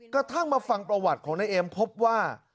กระทั่งมาฟังประวัติของนายเอ็มพบว่า